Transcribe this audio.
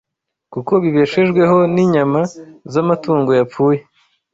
kuko bibeshejweho n’inyama z’amatungo yapfuye;